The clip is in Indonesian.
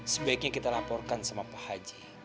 sebaiknya kita laporkan sama pak haji